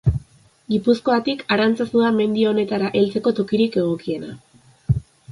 Gipuzkoatik, Arantzazu da mendi honetara heltzeko tokirik egokiena.